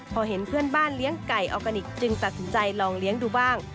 พอเห็นเพื่อนบ้านเลี้ยงไก่ออร์แกนิคจึงตัดสินใจลองเลี้ยงดูบ้าง